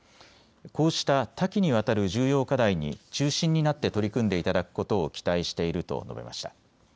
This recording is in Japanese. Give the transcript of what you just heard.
こうした多岐にわたる重要課題に中心になって取り組んでいただくことを期待していると述べました。